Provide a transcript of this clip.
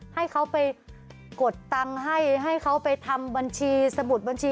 ให้เขาไปกดตังค์ให้ให้เขาไปทำบัญชีสมุดบัญชี